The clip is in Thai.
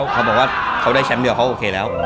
เขาบอกว่าเขาได้แชมป์เดียวเขาโอเคแล้ว